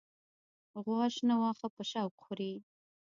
غوا شنه واخه په شوق خوری